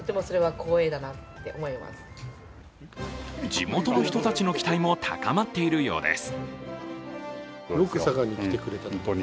地元の人たちの期待も高まっているようです。